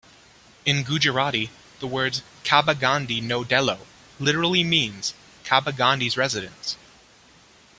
In Gujarati, the words Kaba Gandhi No Delo literally means 'Kaba Gandhi's residence'.